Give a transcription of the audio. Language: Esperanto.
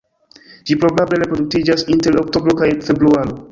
Ĝi probable reproduktiĝas inter oktobro kaj februaro.